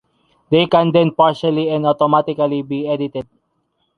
They can then partially and automatically be edited.